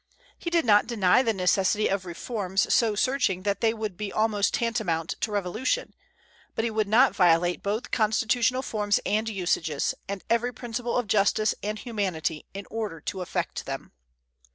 He did not deny the necessity of reforms so searching that they would be almost tantamount to revolution; but he would not violate both constitutional forms and usages, and every principle of justice and humanity, in order to effect them.